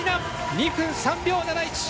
２分３秒７１！